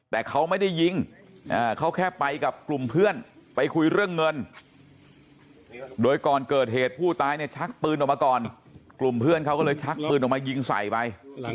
แต่เขาไม่ได้ยิงเขาแค่ไปกับกลุ่มเพื่อนไปคุยเรื่องเงินโดยก่อนเกิดเหตุผู้ตายเนี่ยชักปืนออกมาก่อนกลุ่มเพื่อนเขาก็เลยชักปืนออกมายิงใส่ไป